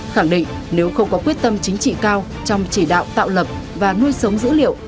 khẳng định nếu không có quyết tâm chính trị cao trong chỉ đạo tạo lập và nuôi sống dữ liệu